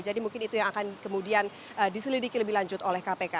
jadi mungkin itu yang akan kemudian diselidiki lebih lanjut oleh kpk